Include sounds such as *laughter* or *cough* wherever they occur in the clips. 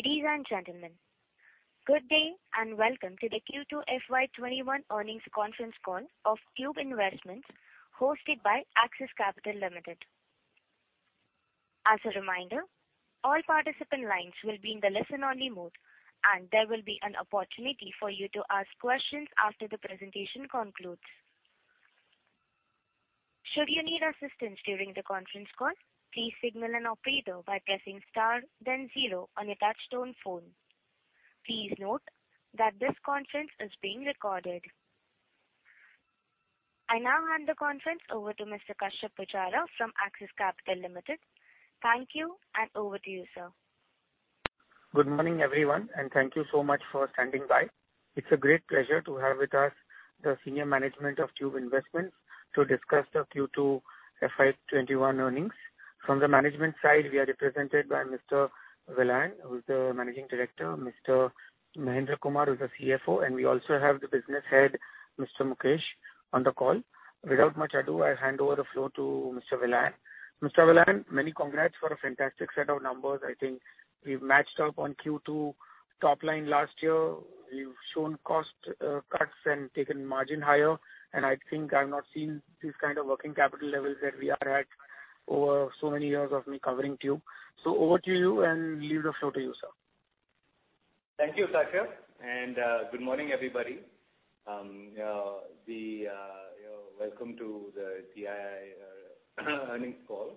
Ladies and gentlemen, good day and welcome to the Q2 FY 2021 earnings conference call of Tube Investments hosted by Axis Capital Limited. As a reminder, all participant lines will be in the listen-only mode, and there will be an opportunity for you to ask questions after the presentation concludes. Should you need assistance during the conference call, please signal an operator by pressing star then zero on your touch-tone phone. Please note that this conference is being recorded. I now hand the conference over to Mr. Kashyap Pujara from Axis Capital Limited. Thank you, and over to you, sir. Good morning, everyone, and thank you so much for standing by. It's a great pleasure to have with us the senior management of Tube Investments to discuss the Q2 FY 2021 earnings. From the management side, we are represented by Mr. Vellayan, who's the Managing Director; Mr. Mahendra Kumar, who's the CFO; and we also have the Business Head, Mr. Mukesh, on the call. Without much ado, I'll hand over the floor to Mr. Vellayan. Mr. Vellayan, many congrats for a fantastic set of numbers. I think we've matched up on Q2 top line last year. We've shown cost cuts and taken margin higher, and I think I've not seen this kind of working capital levels that we are at over so many years of me covering Tube. Over to you and leave the floor to you, sir. Thank you, Kashyap, good morning, everybody. Welcome to the TI earnings call.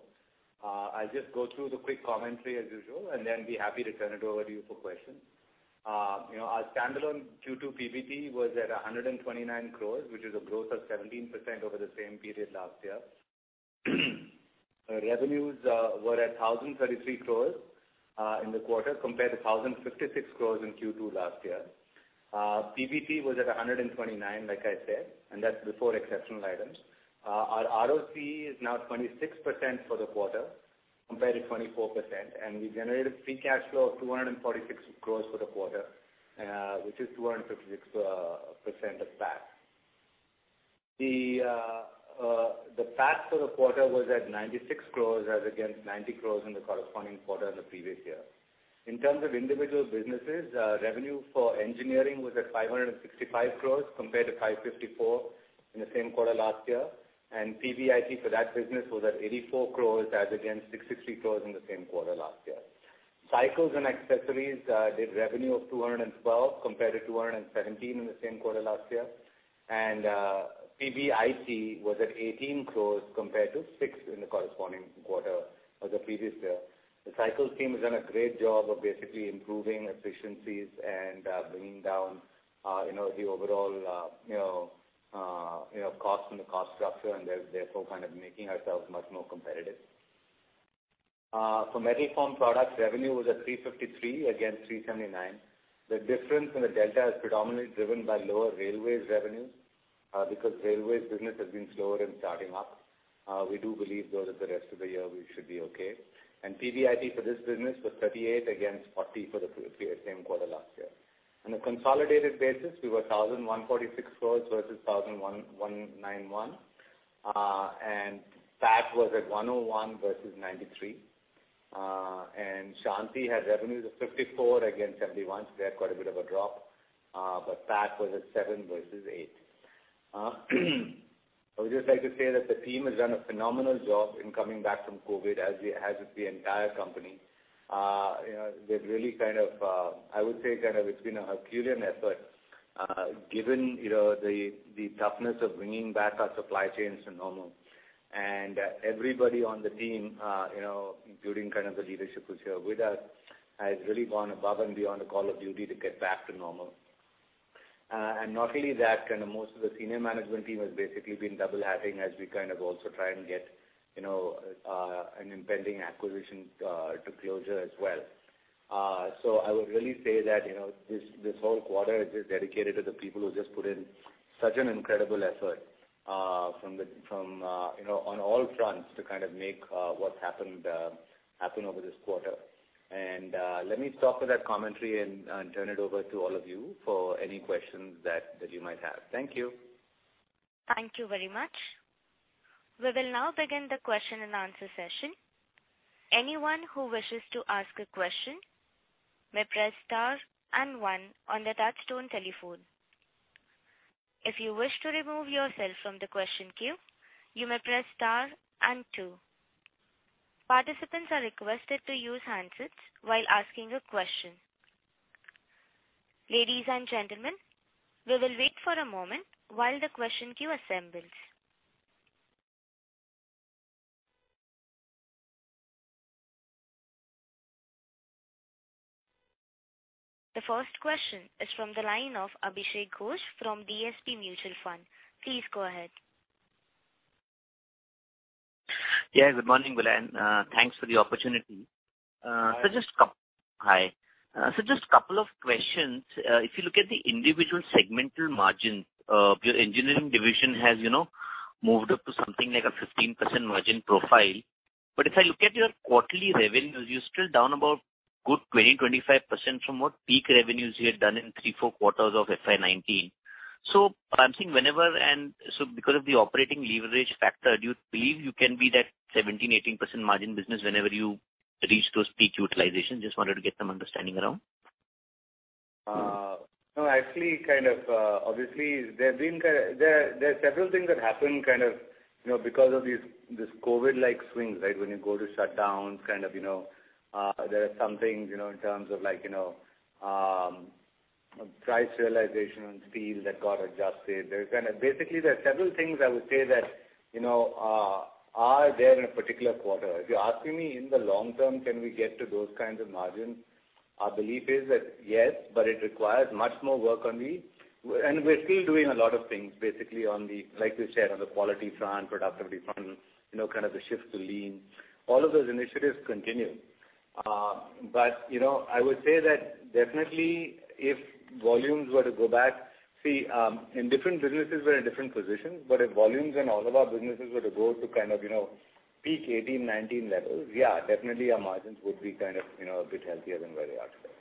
I'll just go through the quick commentary as usual, and then be happy to turn it over to you for questions. Our standalone Q2 PBT was at 129 crore, which is a growth of 17% over the same period last year. Our revenues were at 1,033 crore in the quarter compared to 1,056 crore in Q2 last year. PBT was at 129 crore, like I said, and that's before exceptional items. Our ROCE is now 26% for the quarter compared to 24%, and we generated free cash flow of 246 crore for the quarter, which is 256% of PAT. The PAT for the quarter was at 96 crore as against 90 crore in the corresponding quarter in the previous year. In terms of individual businesses, revenue for Engineering was at 565 crore compared to 554 crore in the same quarter last year. PBIT for that business was at 84 crore as against 63 crore in the same quarter last year. Cycles and Accessories did revenue of 212 crore compared to 217 crore in the same quarter last year. PBIT was at 18 crore compared to 6 crore in the corresponding quarter of the previous year. The Cycles' team has done a great job of basically improving efficiencies and bringing down the overall cost and the cost structure and therefore kind of making ourselves much more competitive. For Metal Formed Products, revenue was at 353 crore against 379 crore. The difference in the delta is predominantly driven by lower railways revenue, because the railways business has been slower in starting up. We do believe, though, that the rest of the year we should be okay. PBIT for this business was 38 crore against 40 crore for the same quarter last year. On a consolidated basis, we were 1,146 crore versus 1,191 crore. PAT was at 101 crore versus 93 crore. Shanthi had revenues of 54 crore against 71 crore, so they had quite a bit of a drop, but PAT was at 7 crore versus 8 crore. I would just like to say that the team has done a phenomenal job in coming back from COVID, as with the entire company. They've really, I would say, it's been a Herculean effort, given the toughness of bringing back our supply chains to normal. Everybody on the team, including the leadership who's here with us, has really gone above and beyond the call of duty to get back to normal. Not only that, most of the senior management team has basically been double hatting as we also try and get an impending acquisition to closure as well. I would really say that this whole quarter is just dedicated to the people who just put in such an incredible effort on all fronts to make what happened, happen over this quarter. Let me stop with that commentary and turn it over to all of you for any questions that you might have. Thank you. Thank you very much. We will now begin the question-and-answer session. Anyone who wishes to ask a question, then please press star and one on the touch-tone telephone. If you wish to remove yourself on the question queue, you may press star and two. Participants are requested to use handsets while asking a question. Ladies and gentlemen, we will wait for a moment while the question queue assembles. The first question is from the line of Abhishek Ghosh from DSP Mutual Fund. Please go ahead. Yeah, good morning, Vellayan. Thanks for the opportunity. Hi. Hi. Just a couple of questions. If you look at the individual segmental margins, your Engineering division has moved up to something like a 15% margin profile. If I look at your quarterly revenues, you're still down about a good 20%-25% from what peak revenues you had done in three, four quarters of FY 2019. I'm saying whenever, because of the operating leverage factor, do you believe you can be that 17%-18% margin business whenever you reach those peak utilization? I just wanted to get some understanding around that. No, actually, obviously, there are several things that happen because of this COVID-like swings. When you go to shutdowns, there are some things in terms of price realization on steel that got adjusted. Basically, there are several things I would say that are there in a particular quarter. If you're asking me in the long term, can we get to those kinds of margins? Our belief is that, yes, but it requires much more work on the, we're still doing a lot of things basically on the, like we said, on the quality front, productivity front, the shift to lean. All of those initiatives continue. I would say that definitely if volumes were to go back, see, in different businesses we're in different positions, but if volumes in all of our businesses were to go to peak 2018, 2019 levels, yeah, definitely our margins would be a bit healthier than where they are today.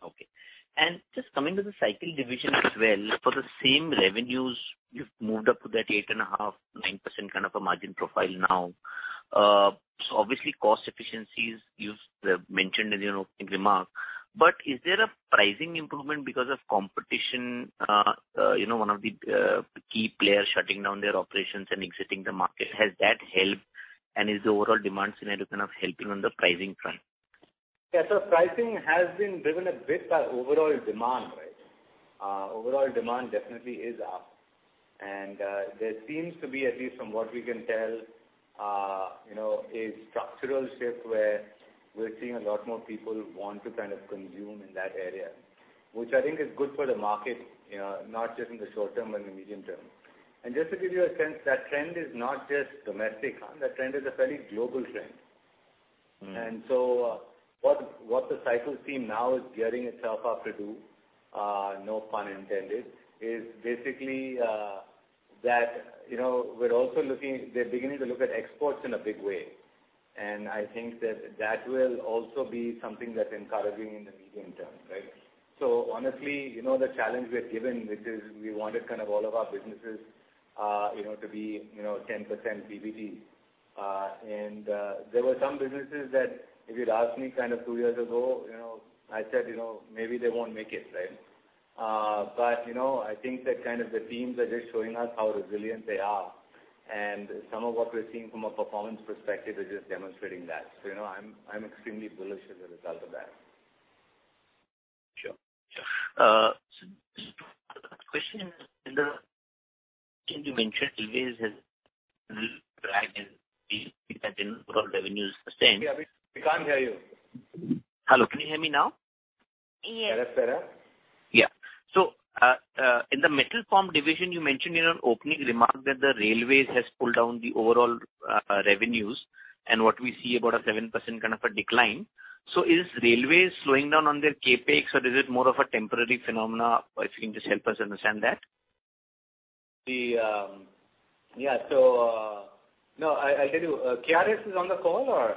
Okay. Just coming to the Cycle division as well, for the same revenues, you've moved up to that 8.5%-9% kind of a margin profile now. Obviously, cost efficiencies you've mentioned in your opening remark. Is there a pricing improvement because of competition, one of the key players shutting down their operations and exiting the market? Has that helped, and is the overall demand scenario helping on the pricing front? Yeah. Pricing has been driven a bit by overall demand. Overall demand definitely is up. There seems to be, at least from what we can tell, a structural shift where we're seeing a lot more people want to consume in that area. Which I think is good for the market, not just in the short term, but in the medium term. Just to give you a sense, that trend is not just domestic. That trend is a fairly global trend. What the Cycles' team now is gearing itself up to do, no pun intended, is basically that they're beginning to look at exports in a big way. I think that that will also be something that's encouraging in the medium term, right? Honestly, the challenge we're given, which is we wanted all of our businesses to be 10% PBT. There were some businesses that if you'd asked me two years ago, I'd said, maybe they won't make it. I think that the teams are just showing us how resilient they are. Some of what we're seeing from a performance perspective is just demonstrating that. I'm extremely bullish as a result of that. Sure. *audio distortion* Yeah. We can't hear you. Hello, can you hear me now? Yes. Better, sir. Yeah. In the Metal Form division, you mentioned in an opening remark that the railways has pulled down the overall revenues and what we see about a 7% decline. Is railways slowing down on their CapEx or is it more of a temporary phenomenon? If you can just help us understand that. Yeah. No, I'll tell you. KRS is on the call or?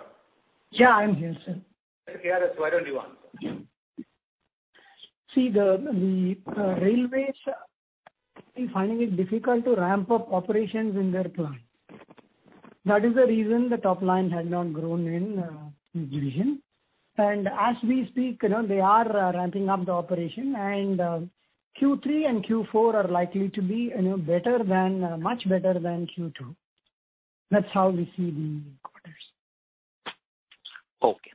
Yeah, I'm here, sir. KRS, why don't you answer? See, the railways is finding it difficult to ramp up operations in their plant. That is the reason the top line has not grown in this division. As we speak, they are ramping up the operation and Q3 and Q4 are likely to be much better than Q2. That's how we see the quarters. Okay.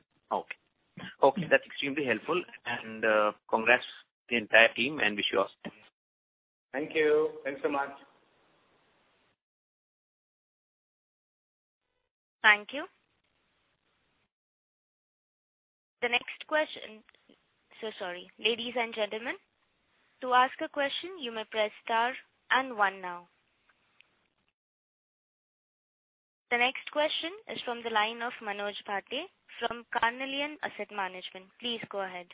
That's extremely helpful. Congrats to the entire team and wish you all the best. Thank you. Thanks so much. Thank you. The next question. Ladies and gentlemen, to ask a question, you may press star and one now. The next question is from the line of Manoj Bahety from Carnelian Asset Management. Please go ahead.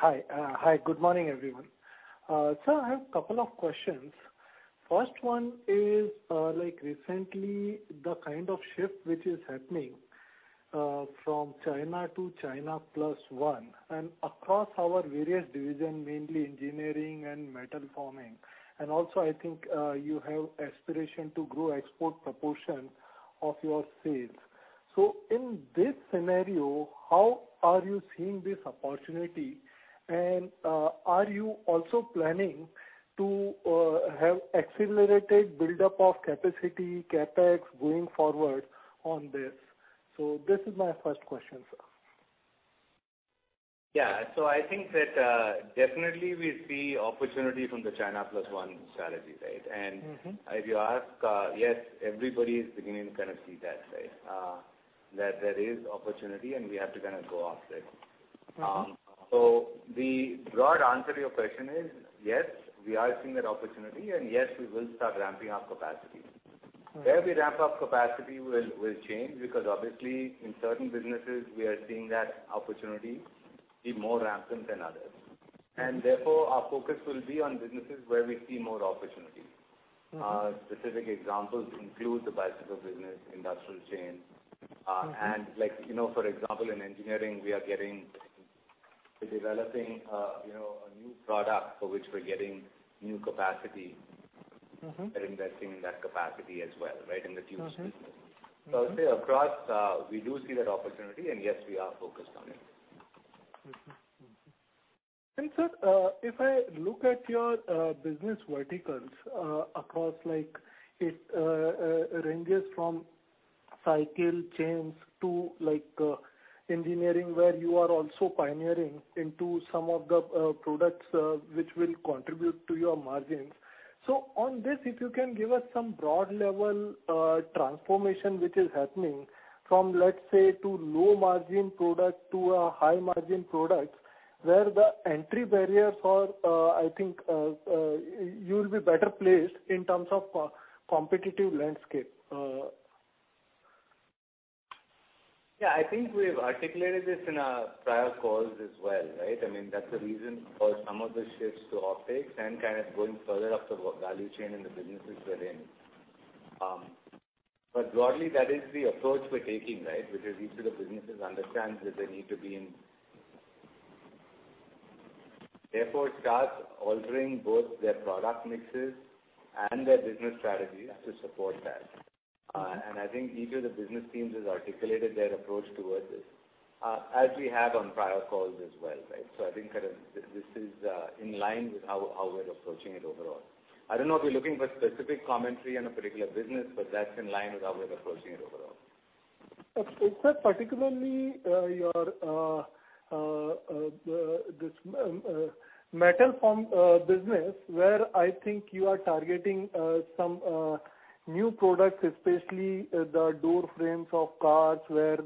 Hi. Good morning, everyone. Sir, I have a couple of questions. First one is, recently the kind of shift which is happening from China to China Plus One, across our various division, mainly Engineering and Metal Forming. Also I think you have aspiration to grow export proportion of your sales. In this scenario, how are you seeing this opportunity? Are you also planning to have accelerated buildup of capacity, CapEx going forward on this? This is my first question, sir. Yeah. I think that definitely we see opportunity from the China Plus One strategy, right? If you ask, yes, everybody is beginning to see that there is opportunity and we have to go after it. The broad answer to your question is, yes, we are seeing that opportunity and yes, we will start ramping up capacity. All right. Where we ramp up capacity will change because obviously in certain businesses we are seeing that opportunity be more rampant than others. Therefore our focus will be on businesses where we see more opportunity. Specific examples include the bicycle business, industrial chain. For example, in Engineering, we are developing a new product for which we're getting new capacity. Investing in that capacity as well, in the tubes business. I'll say across, we do see that opportunity, and yes, we are focused on it. Mm-hmm. Sir, if I look at your business verticals across, it ranges from Cycle chains to Engineering, where you are also pioneering into some of the products which will contribute to your margins. On this, if you can give us some broad level transformation which is happening from, let's say, to low margin product to a high margin product, where the entry barriers are, I think, you'll be better placed in terms of competitive landscape. Yeah, I think we've articulated this in our prior calls as well, right? That's the reason for some of the shifts to OpEx and kind of going further up the value chain in the businesses we're in. Broadly, that is the approach we're taking, right? Which is each of the businesses understands that they need to be in therefore, start altering both their product mixes and their business strategies to support that. I think each of the business teams has articulated their approach towards this, as we have on prior calls as well. I think this is in line with how we're approaching it overall. I don't know if you're looking for specific commentary on a particular business, but that's in line with how we're approaching it overall. Okay, sir. Particularly, this Metal Formed business, where I think you are targeting some new products, especially the door frames of cars, where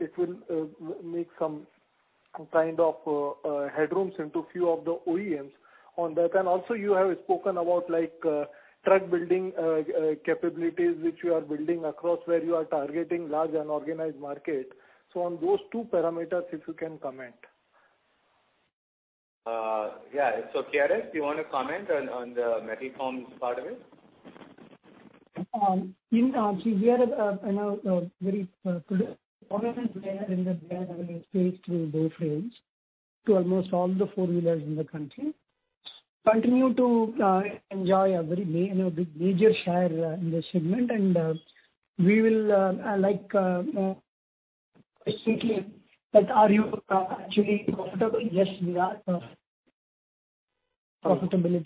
it will make some kind of headrooms into few of the OEMs on that. Also, you have spoken about truck building capabilities, which you are building across, where you are targeting large unorganized market. On those two parameters, if you can comment. Yeah. KRS, do you want to comment on the Metal Formed part of it? We are a very prominent player in the BIW space through door frames to almost all the four-wheelers in the country. We continue to enjoy a very big, major share in this segment. Like you asked, are you actually profitable? Yes, we are profitable.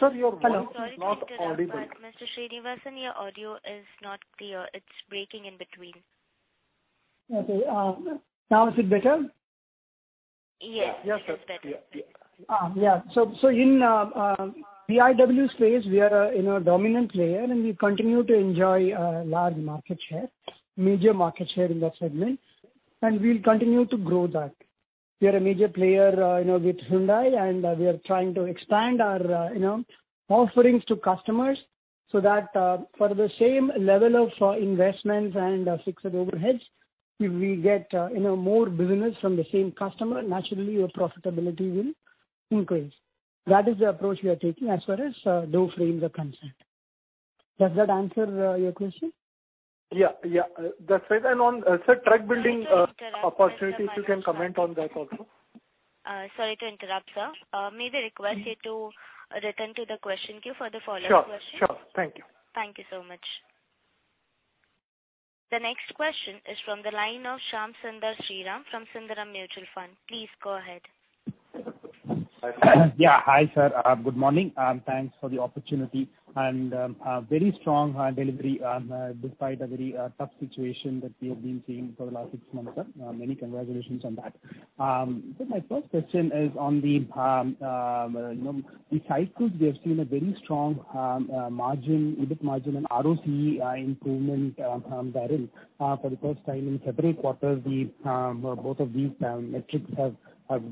Sir, your voice is not audible. Sorry to interrupt, Mr. Srinivasan, your audio is not clear. It's breaking in between. Okay. Now is it better? Yes. Yes, sir. Yeah. In BIW space, we are a dominant player, and we continue to enjoy a large market share, major market share in that segment. We'll continue to grow that. We are a major player with Hyundai, and we are trying to expand our offerings to customers so that for the same level of investments and fixed overheads, if we get more business from the same customer, naturally your profitability will increase. That is the approach we are taking as far as door frames are concerned. Does that answer your question? Yeah. That's it. On, sir, truck building- Sorry to interrupt, sir. opportunity, if you can comment on that also. Sorry to interrupt, sir. May I request you to return to the question queue for the follow-up question? Sure. Thank you. Thank you so much. The next question is from the line of Shyam Sundar Sriram from Sundaram Mutual Fund. Please go ahead. Yeah. Hi, sir. Good morning. Thanks for the opportunity. A very strong delivery despite a very tough situation that we have been seeing for the last six months, sir. Many congratulations on that. Sir, my first question is on the Cycles, we have seen a very strong margin, EBIT margin and ROCE improvement therein. For the first time in several quarters, both of these metrics have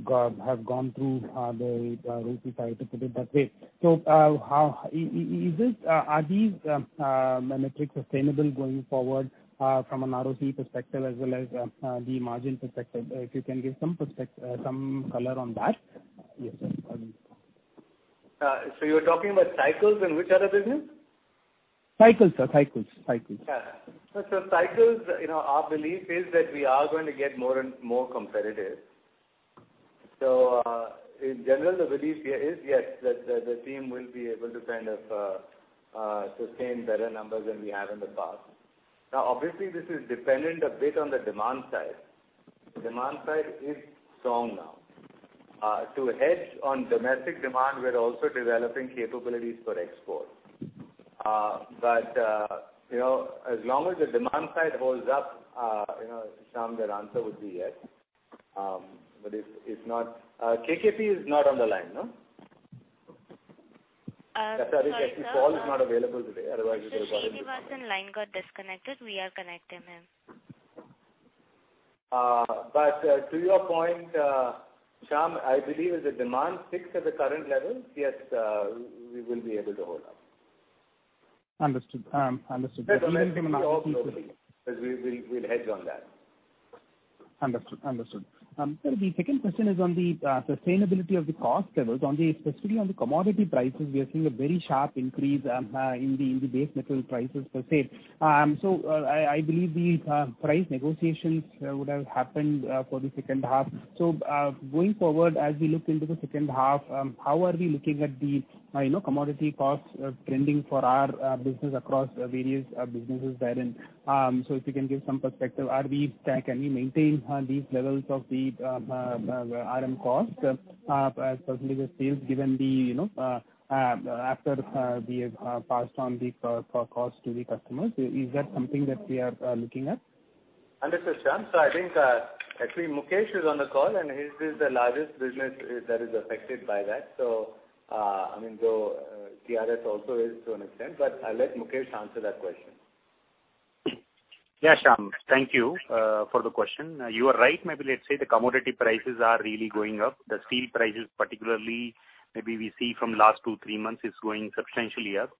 gone through the roof, if I were to put it that way. Are these metrics sustainable going forward from an ROCE perspective as well as the margin perspective? If you can give some color on that. Yes, sir. You're talking about Cycles and which other business? Cycles, sir. Cycles. Yeah. Cycles, our belief is that we are going to get more and more competitive. In general, the belief here is yes, that the team will be able to kind of sustain better numbers than we have in the past. Obviously, this is dependent a bit on the demand side. Demand side is strong now. To hedge on domestic demand, we're also developing capabilities for export. As long as the demand side holds up, Shyam, answer would be yes. If not KKP is not on the line, no? Sorry, sir. Sorry, his call is not available today. Otherwise, we would have got him to comment. Mr. Srinivasan line got disconnected. We are connecting him. To your point, Shyam, I believe if the demand sticks at the current levels, yes, we will be able to hold up. Understood. *crosstalk* We'll hedge on that. Understood. Sir, the second question is on the sustainability of the cost levels, specifically on the commodity prices, we are seeing a very sharp increase in the base metal prices per se. I believe the price negotiations would have happened for the second half. Going forward, as we look into the second half, how are we looking at the commodity cost trending for our business across various businesses therein? If you can give some perspective. Can we maintain these levels of the RM cost as per the sales, after we have passed on the cost to the customers? Is that something that we are looking at? Understood, Shyam. I think, actually, Mukesh is on the call, and his is the largest business that is affected by that. Though KRS also is to an extent, but I'll let Mukesh answer that question. Yeah, Shyam, thank you for the question. You are right. Maybe let's say the commodity prices are really going up. The steel prices, particularly, maybe we see from last two, three months, is going substantially up.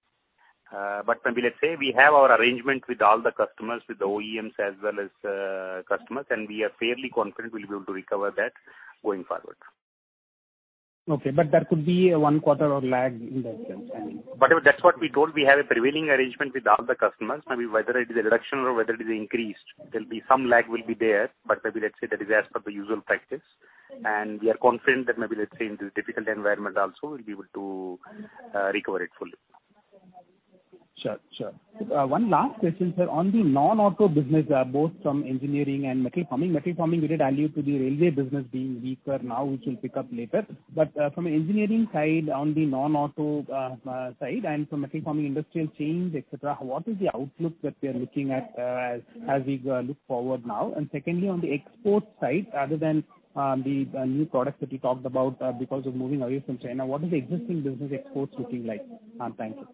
Maybe let's say we have our arrangement with all the customers, with the OEMs as well as customers, and we are fairly confident we'll be able to recover that going forward. Okay. There could be a one quarter lag in that sense. That's what we told, we have a prevailing arrangement with all the customers. Maybe whether it is a reduction or whether it is increased, some lag will be there, but maybe let's say that is as per the usual practice, and we are confident that maybe, let's say, in this difficult environment also, we'll be able to recover it fully. Sure. One last question, sir. On the non-auto business, both from Engineering and Metal Forming. Metal Forming, we did allude to the railway business being weaker now, which will pick up later. From an Engineering side, on the non-auto side, and from Metal Forming, industrial chains, et cetera, what is the outlook that we are looking at as we look forward now? Secondly, on the export side, other than the new products that you talked about because of moving away from China, what is the existing business exports looking like? Thank you.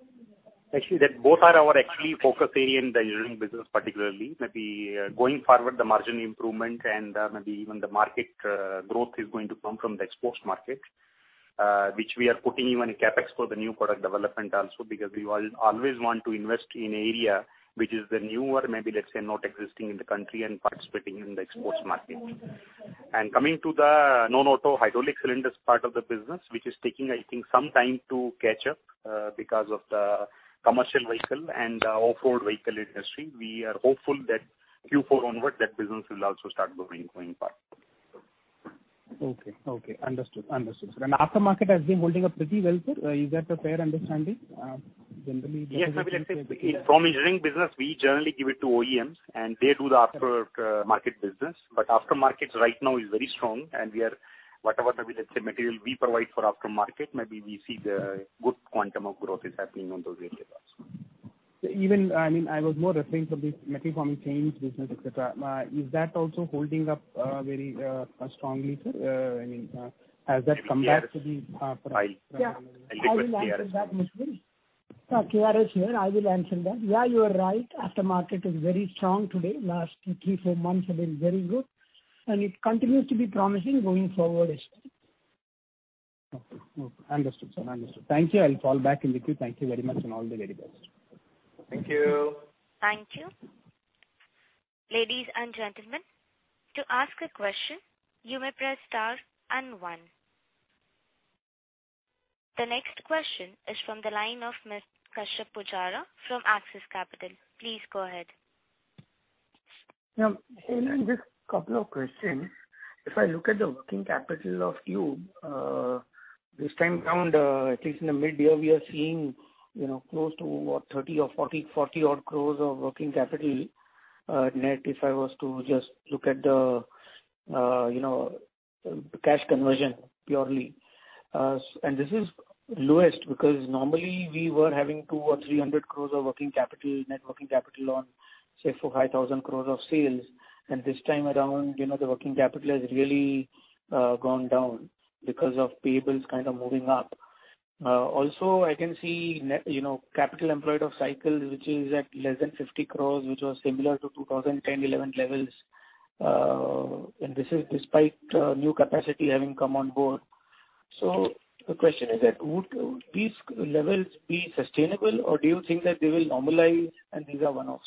Actually, both are our actually focus area in the Engineering business, particularly. Maybe going forward, the margin improvement and maybe even the market growth is going to come from the export market, which we are putting even a CapEx for the new product development also, because we always want to invest in area which is the newer, maybe, let's say, not existing in the country and participating in the exports market. Coming to the non-auto hydraulic cylinders part of the business, which is taking, I think, some time to catch up because of the commercial vehicle and off-road vehicle industry. We are hopeful that Q4 onward, that business will also start growing going forward. Okay. Understood, sir. Aftermarket has been holding up pretty well, sir. Is that a fair understanding? Yes. Maybe let's say from Engineering business, we generally give it to OEMs. They do the aftermarket business. Aftermarket right now is very strong. Whatever maybe, let's say, material we provide for aftermarket, maybe we see the good quantum of growth is happening on those areas also. I was more referring to the Metal Forming chains business, et cetera. Is that also holding up very strongly, sir? Has that come back to the? I'll request KRS. Yeah. I will answer that, Mukesh. Sir, KRS here. I will answer that. Yeah, you are right, aftermarket is very strong today. Last three, four months have been very good, and it continues to be promising going forward as well. Okay. Understood, sir. Thank you. I'll fall back into queue. Thank you very much, and all the very best. Thank you. Thank you. Ladies and gentlemen, to ask a question, you may press star and one. The next question is from the line of Mr. Kashyap Pujara from Axis Capital. Please go ahead. Hey, just couple of questions. If I look at the working capital of you, this time around, at least in the mid-year, we are seeing close to what, 30 crore or 40 odd crore of working capital net, if I was to just look at the cash conversion purely. This is lowest because normally we were having 200 crore or 300 crore of working capital, net working capital on, say 4,000 crore, 5,000 crore of sales. This time around, the working capital has really gone down because of payables kind of moving up. Also I can see net capital employed of Cycle, which is at less than 50 crore, which was similar to 2010, 2011 levels, and this is despite new capacity having come on board. The question is that, would these levels be sustainable, or do you think that they will normalize and these are one-offs?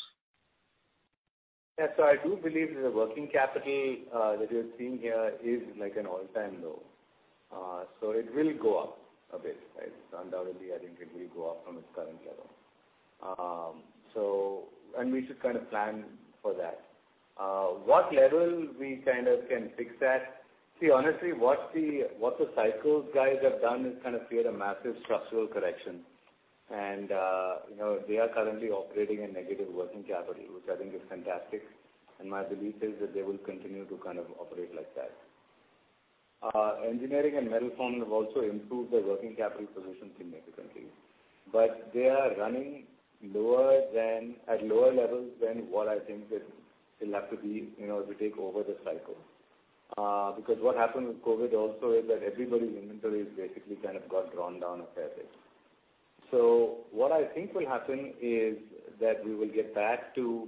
Yeah. I do believe the working capital that you're seeing here is like an all-time low. It will go up a bit. Undoubtedly, I think it will go up from its current level. We should kind of plan for that, what level we kind of can fix at. See, honestly, what the Cycles' guys have done is kind of create a massive structural correction. They are currently operating in negative working capital, which I think is fantastic, and my belief is that they will continue to kind of operate like that. Engineering and Metal Forming have also improved their working capital position significantly. They are running at lower levels than what I think it'll have to be in order to take over the Cycle. Because what happened with COVID also is that everybody's inventory is basically kind of got drawn down a fair bit. What I think will happen is that we will get back to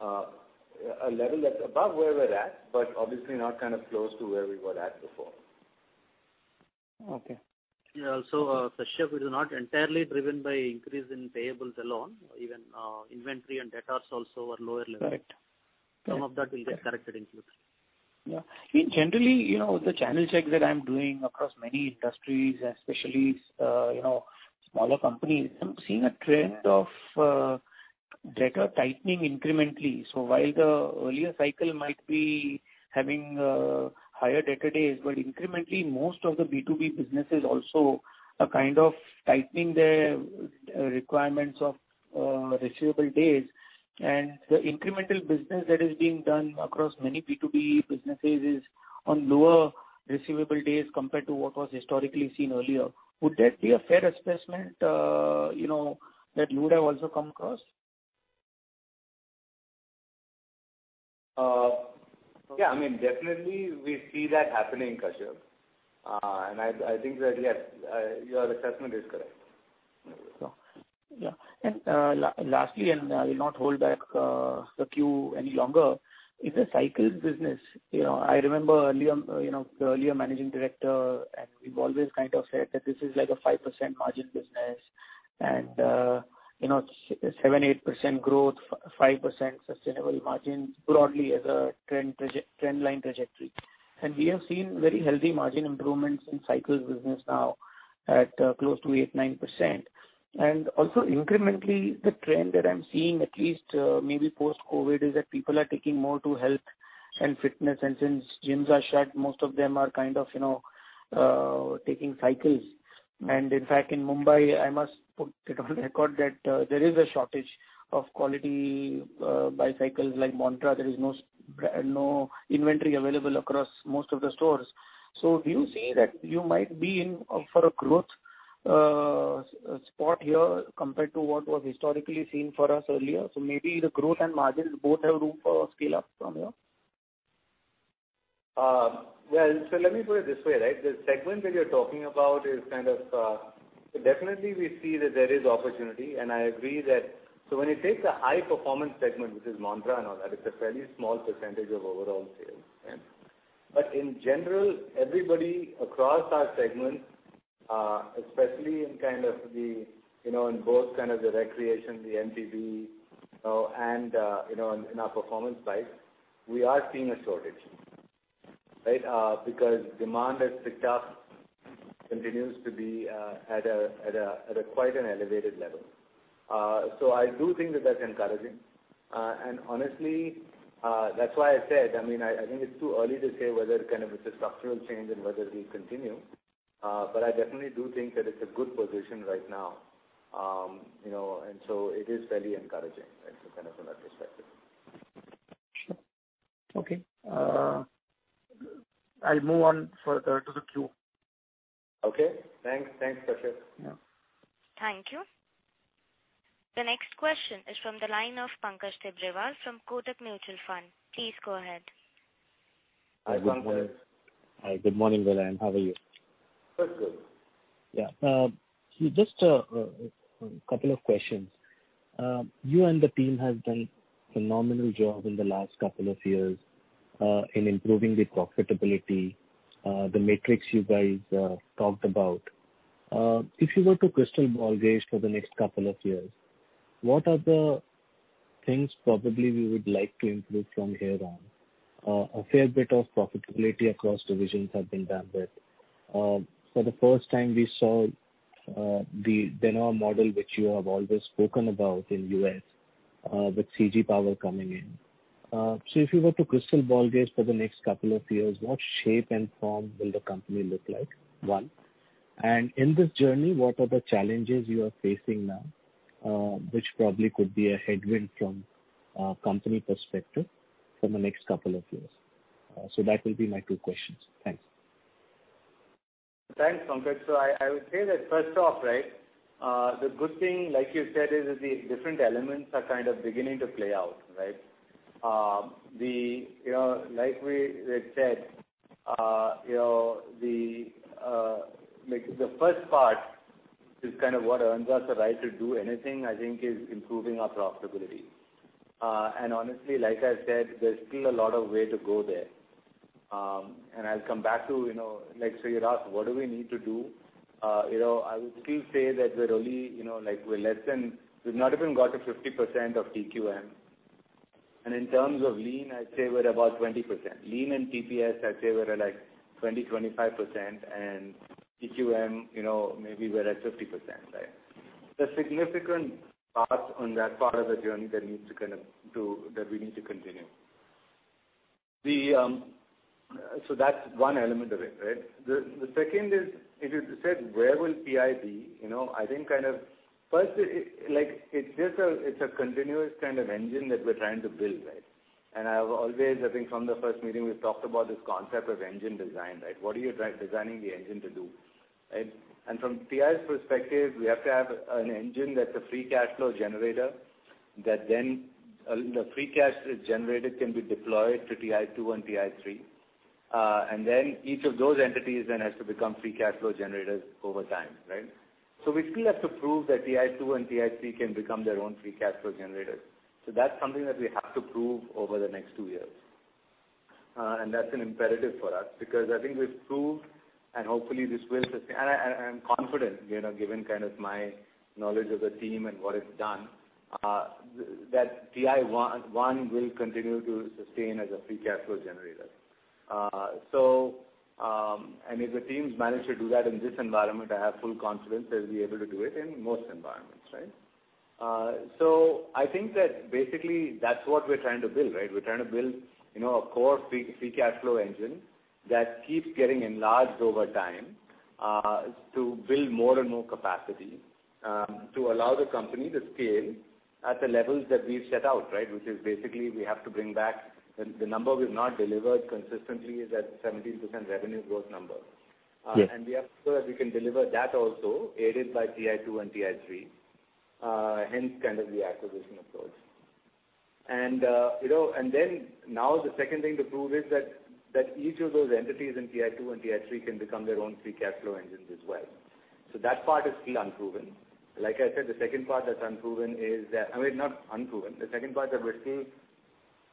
a level that's above where we're at, but obviously not kind of close to where we were at before. Okay. Yeah. Kashyap, it is not entirely driven by increase in payables alone. Even inventory and debtors also are lower level. Correct. Some of that will get corrected in future. Yeah. Generally, the channel checks that I'm doing across many industries, especially smaller companies, I'm seeing a trend of debtor tightening incrementally. While the earlier Cycle might be having higher debtor days, but incrementally, most of the B2B businesses also are kind of tightening their requirements of receivable days. The incremental business that is being done across many B2B businesses is on lower receivable days compared to what was historically seen earlier. Would that be a fair assessment, that you would have also come across? Yeah, definitely we see that happening, Kashyap. I think that, yes, your assessment is correct. Yeah. Lastly, and I will not hold back the queue any longer. It's a Cycles business. I remember the earlier managing director, and we've always said that this is like a 5% margin business and 7%-8% growth, 5% sustainable margin, broadly as a trend line trajectory. We have seen very healthy margin improvements in Cycles business now at close to 8%-9%. Also incrementally, the trend that I'm seeing, at least maybe post-COVID, is that people are taking more to health and fitness. Since gyms are shut, most of them are taking cycles. In fact, in Mumbai, I must put it on record that there is a shortage of quality bicycles like Montra. There is no inventory available across most of the stores. Do you see that you might be in for a growth spurt here compared to what was historically seen for us earlier? Maybe the growth and margins both have room for scale up from here? Well, let me put it this way. The segment that you're talking about is kind of, definitely we see that there is opportunity, and I agree that when you take the high performance segment, which is Montra and all that, it's a fairly small percent of overall sales. In general, everybody across our segments, especially in both the recreation, the MTB, and in our performance bikes, we are seeing a shortage. Demand has picked up, continues to be at a quite an elevated level. I do think that that's encouraging. Honestly, that's why I said, I think it's too early to say whether it's a structural change and whether we continue. I definitely do think that it's a good position right now. It is fairly encouraging from that perspective. Sure. Okay. I'll move on further to the queue. Okay. Thanks, Kashyap. Yeah. Thank you. The next question is from the line of Pankaj Tibrewal from Kotak Mutual Fund. Please go ahead. Hi, Pankaj. Hi. Good morning, Vellayan. How are you? Good. Yeah. Just a couple of questions. You and the team have done phenomenal job in the last couple of years, in improving the profitability, the metrics you guys talked about. If you were to crystal ball gaze for the next couple of years, what are the things probably we would like to improve from here on? A fair bit of profitability across divisions have been done with. For the first time, we saw the demo model which you have always spoken about in U.S., with CG Power coming in. If you were to crystal ball gaze for the next couple of years, what shape and form will the company look like? One. In this journey, what are the challenges you are facing now, which probably could be a headwind from a company perspective for the next couple of years? That will be my two questions. Thanks. Thanks, Pankaj. I would say that first off, the good thing, like you said, is the different elements are kind of beginning to play out. Like we said, the first part is what earns us the right to do anything, I think, is improving our profitability. Honestly, like I said, there's still a lot of way to go there. I'll come back to, you asked, what do we need to do? I would still say that we're less than, we've not even got to 50% of TQM. In terms of Lean, I'd say we're about 20%. Lean and TPS, I'd say we're at, like, 20%, 25%, and TQM, maybe we're at 50%. There's significant parts on that part of the journey that we need to continue. That's one element of it. The second is, as you said, where will TI be? I think kind of first, it's a continuous kind of engine that we're trying to build. I've always, I think from the first meeting, we've talked about this concept of engine design. What are you designing the engine to do? From TI's perspective, we have to have an engine that's a free cash flow generator, that then the free cash that's generated can be deployed to TI2 and TI3. Each of those entities then has to become free cash flow generators over time. We still have to prove that TI2 and TI3 can become their own free cash flow generators. That's something that we have to prove over the next two years. That's an imperative for us, because I think we've proved and hopefully this will sustain. I am confident, given my knowledge of the team and what it's done, that TI1 will continue to sustain as a free cash flow generator. If the teams manage to do that in this environment, I have full confidence they'll be able to do it in most environments. I think that basically that's what we're trying to build. We're trying to build a core free cash flow engine that keeps getting enlarged over time, to build more and more capacity, to allow the company to scale at the levels that we've set out. Which is basically, we have to bring back the number we've not delivered consistently is that 17% revenue growth number. Yes. We are sure we can deliver that also, aided by TI2 and TI3, hence the acquisition, of course. Now the second thing to prove is that each of those entities in TI2 and TI3 can become their own free cash flow engines as well. That part is still unproven. Like I said, the second part that's unproven is that I mean, not unproven. The second part that we're still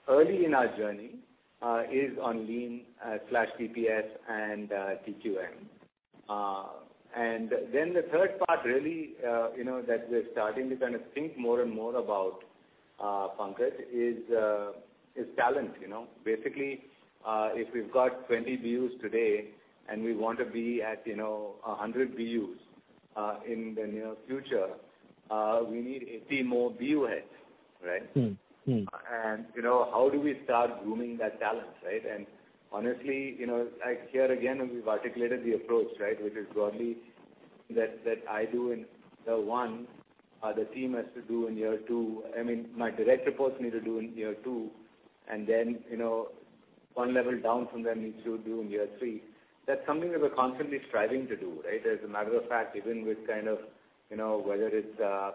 early in our journey, is on Lean/TPS and TQM. The third part really, that we're starting to think more and more about, Pankaj, is talent. Basically, if we've got 20 BUs today and we want to be at 100 BUs, in the near future, we need 80 more BU heads, right? How do we start grooming that talent? Honestly, here again, we've articulated the approach. Which is broadly that I do in year one, the team has to do in year two. I mean, my direct reports need to do in year two. Then, one level down from them needs to do in year three. That's something that we're constantly striving to do. As a matter of fact, even with kind of, like I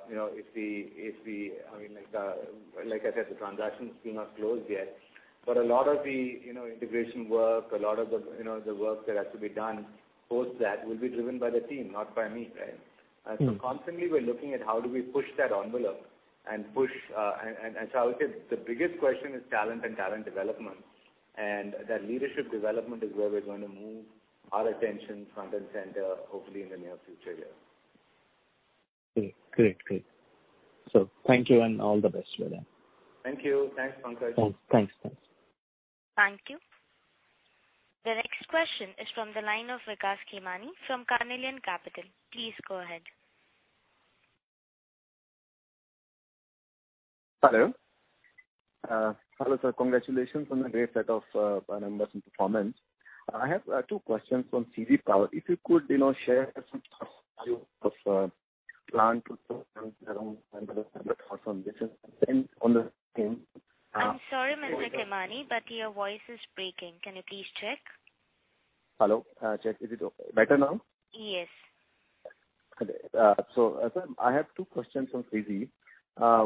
said, the transaction's still not closed yet, but a lot of the integration work, a lot of the work that has to be done post that, will be driven by the team, not by me. Constantly we're looking at how do we push that envelope. I would say the biggest question is talent and talent development, and that leadership development is where we're going to move our attention front and center, hopefully in the near future here. Great. Thank you, and all the best for that. Thank you. Thanks, Pankaj. Thanks. Thank you. The next question is from the line of Vikas Khemani from Carnelian Capital. Please go ahead. Hello, sir. Congratulations on the great set of financial performance. I have two questions on CG Power. If you could share some thoughts of *audio distortion* I'm sorry, Mr. Khemani, but your voice is breaking. Can you please check? Hello? Check, is it okay, better now? Yes. Sir, I have two questions on CG.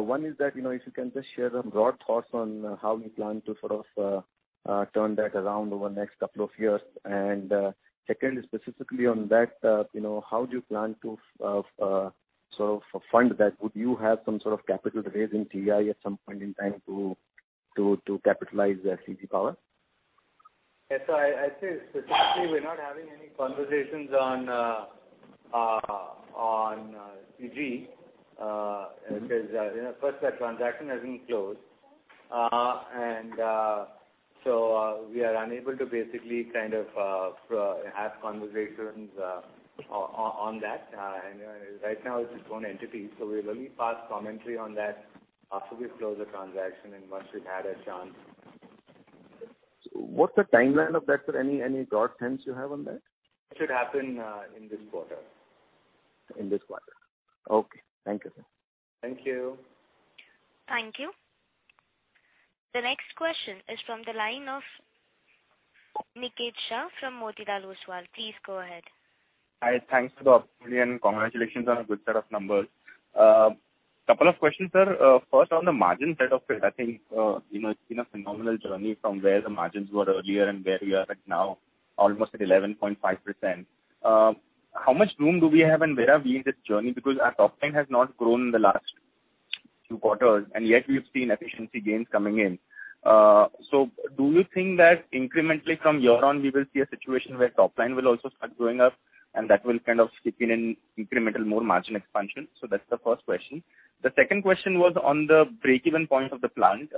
One is that, if you can just share some broad thoughts on how you plan to sort of turn that around over the next couple of years. Secondly, specifically on that, how do you plan to fund that? Would you have some sort of capital raise in TI at some point in time to capitalize CG Power? Yeah. I'd say specifically, we're not having any conversations on CG, because first that transaction hasn't closed. We are unable to basically have conversations on that. Right now it's its own entity, so we'll only pass commentary on that after we've closed the transaction and once we've had a chance. What's the timeline of that, sir? Any broad hints you have on that? It should happen in this quarter. In this quarter. Okay. Thank you, sir. Thank you. Thank you. The next question is from the line of Niket Shah from Motilal Oswal. Please go ahead. Hi. Thanks for the opportunity, and congratulations on a good set of numbers. Couple of questions, sir. First, on the margin side of it, I think it's been a phenomenal journey from where the margins were earlier and where we are right now, almost at 11.5%. How much room do we have and where are we in this journey? Because our top line has not grown in the last few quarters, and yet we've seen efficiency gains coming in. Do you think that incrementally from here on, we will see a situation where top line will also start going up and that will kind of seep in incremental more margin expansion? That's the first question. The second question was on the break-even point of the plant.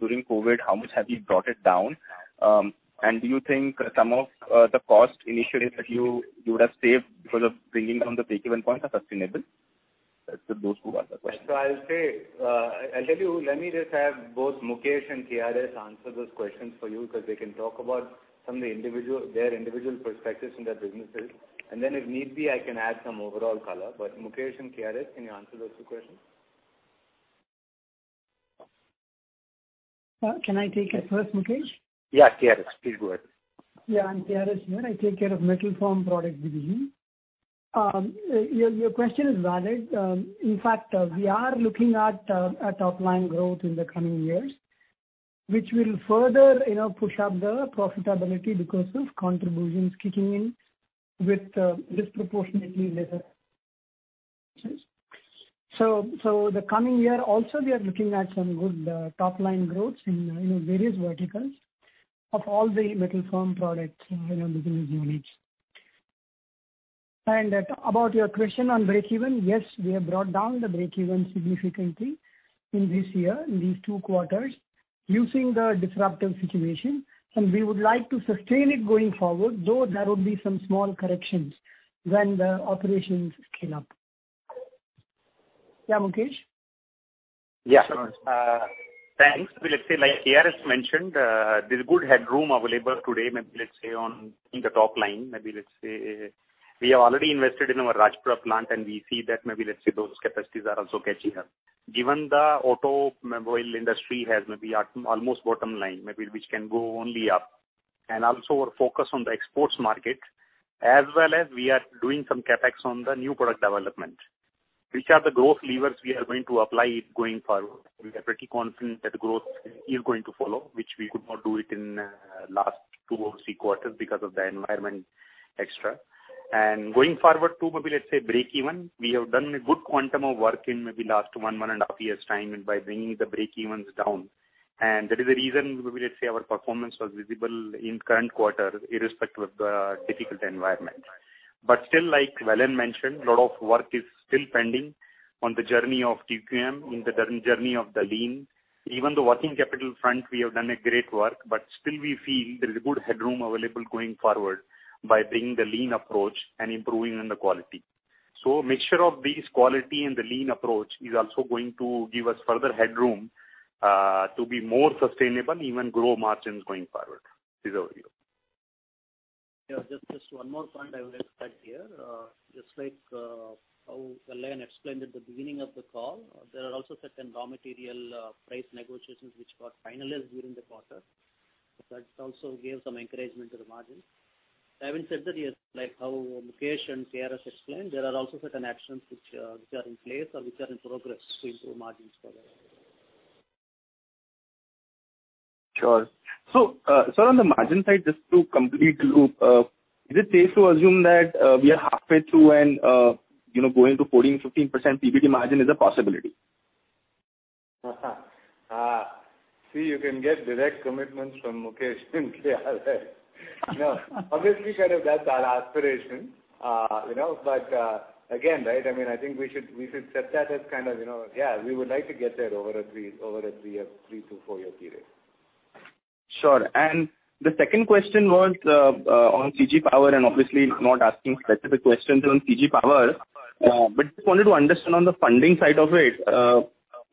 During COVID, how much have you brought it down? Do you think some of the cost initiatives that you would have saved because of bringing down the break-even point are sustainable? Sir, those two are the questions. I'll say, I'll tell you, let me just have both Mukesh and KRS answer those questions for you, because they can talk about their individual perspectives in their businesses. Then if need be, I can add some overall color. Mukesh and KRS, can you answer those two questions? Can I take it first, Mukesh? Yeah, KRS, please go ahead. Yeah. I'm KRS here. I take care of Metal Formed Products division. Your question is valid. In fact, we are looking at top line growth in the coming years, which will further push up the profitability because of contributions kicking in with disproportionately. The coming year also, we are looking at some good top-line growths in various verticals of all the Metal Formed Products within the business units. About your question on breakeven, yes, we have brought down the breakeven significantly in this year, in these two quarters, using the disruptive situation. We would like to sustain it going forward, though there would be some small corrections when the operations scale up. Mukesh? Thanks. Like KRS mentioned, there's good headroom available today, maybe on the top line. Maybe we have already invested in our Rajpura plant, and we see that, maybe, those capacities are also catching up. Given the automobile industry has maybe almost bottom line, maybe which can go only up, and also our focus on the exports market, as well as we are doing some CapEx on the new product development. Which are the growth levers we are going to apply going forward. We are pretty confident that growth is going to follow, which we could not do it in last two or three quarters because of the environment. Going forward too, maybe, let's say, breakeven, we have done a good quantum of work in maybe last one and a half years' time and by bringing the breakevens down. That is the reason, maybe, let's say, our performance was visible in current quarter, irrespective of the difficult environment. Still, like Vellayan mentioned, a lot of work is still pending on the journey of TQM, in the journey of the Lean. Even the working capital front, we have done a great work, but still we feel there is good headroom available going forward by bringing the Lean approach and improving on the quality. Mixture of this quality and the Lean approach is also going to give us further headroom to be more sustainable, even grow margins going forward. This is our view. Just one more point I would like to add here. Just like how Vellayan explained at the beginning of the call, there are also certain raw material price negotiations which got finalized during the quarter. That also gave some encouragement to the margin. Having said that, like how Mukesh and KRS explained, there are also certain actions which are in place or which are in progress to improve margins further. Sure. Sir, on the margin side, just to complete the loop, is it safe to assume that we are halfway through and going to 14%-15% PBT margin is a possibility? See, you can get direct commitments from Mukesh and KRS. Obviously, that's our aspiration. Again, I think we should set that as kind of, yeah, we would like to get there over a three- to four-year period. Sure. The second question was on CG Power and obviously not asking specific questions on CG Power. Just wanted to understand on the funding side of it,